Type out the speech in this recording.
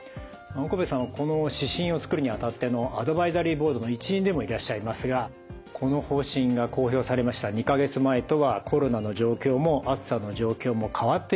岡部さんはこの指針を作るにあたってのアドバイザリーボードの一員でもいらっしゃいますがこの方針が公表されました２か月前とはコロナの状況も暑さの状況も変わっていると思います。